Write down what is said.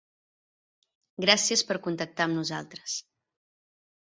Gràcies per contactar amb nosaltres.